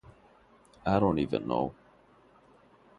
I don't even know.